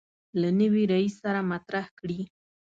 له نوي رئیس سره مطرح کړي.